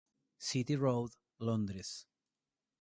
City Road, Londres".